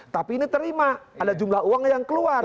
tapi ini terima ada jumlah uang yang keluar